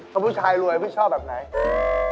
ถ้าผู้ชายรวยพี่ชอบแบบไหน